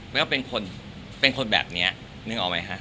แล้วก็เป็นคนเป็นคนแบบนี้นึกออกไหมฮะ